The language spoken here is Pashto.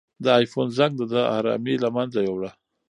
د آیفون زنګ د ده ارامي له منځه یووړه.